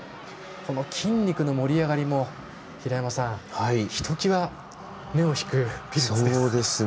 筋肉の盛り上がりもひときわ目を引くピルツですね。